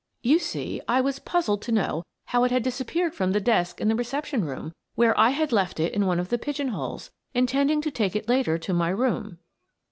You see, I was puzzled to know how it had disappeared from the desk in the reception room, where I had left it in one of the pigeon holes, intending to take it later to my room."